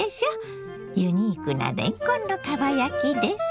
ユニークなれんこんのかば焼きです。